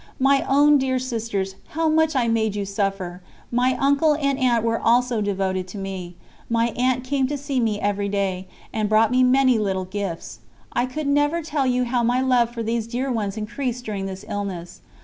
My own dear sisters, how much I made you suffer! My uncle and aunt were also devoted to me. My aunt came to see me every day, and brought me many little gifts. I could never tell you how my love for these dear ones increased during this illness.